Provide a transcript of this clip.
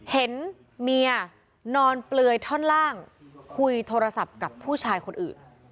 เห็นเมียนอนเปลือยท่อนล่างคุยโทรศัพท์กับผู้ชายคนอื่น